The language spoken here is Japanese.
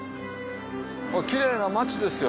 キレイな町ですよ